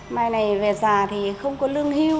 mai này về già thì không có lương hưu